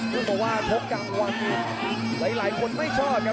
เพราะว่าทบกังวลหลายคนไม่ชอบครับ